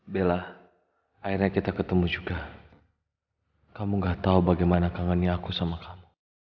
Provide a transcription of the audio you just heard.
bella akhirnya kita ketemu juga kamu gak tahu bagaimana kangennya aku sama kamu